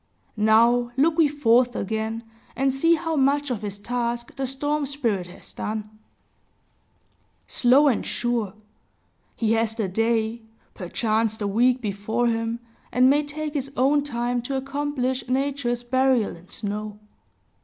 Now look we forth again, and see how much of his task the storm spirit has done. Slow and sure! He has the day, perchance the week, before him, and may take his own time to accomplish Nature's burial in snow.